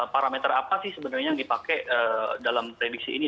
parameter apa sih sebenarnya yang dipakai dalam prediksi ini